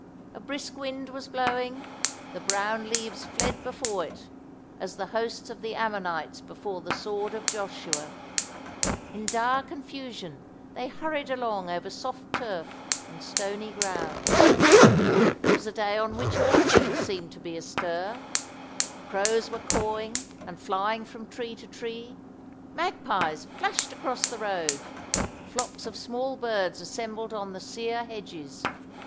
A brisk wind was blowing; the brown leaves fled before it, as the hosts of the Amorites before the sword of Joshua. In dire confusion they hurried along over soft turf and stony ground. It was a day on which all things seemed to be astir. Crows were cawing, and flying from tree to tree; magpies flashed across the road; flocks of small birds assembled on the sear hedges.